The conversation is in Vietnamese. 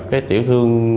cái tiểu thương